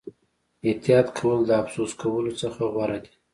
احتیاط کول د افسوس کولو څخه غوره دي.